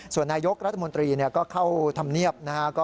ส่วนนายยกรัฐมนตรีก็เข้าทำเนียบ